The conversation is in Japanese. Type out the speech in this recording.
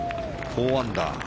４アンダー。